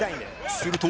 すると